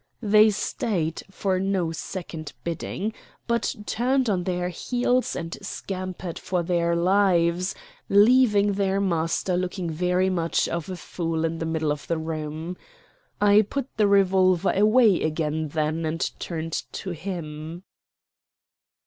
They stayed for no second bidding, but turned on their heels and scampered for their lives, leaving their master looking very much of a fool in the middle of the room. I put the revolver away again then and turned to him.